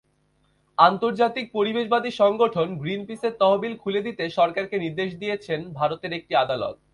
আন্তর্জাতিক পরিবেশবাদী সংগঠন গ্রিনপিসের তহবিল খুলে দিতে সরকারকে নির্দেশ দিয়েছেন ভারতের একটি আদালত।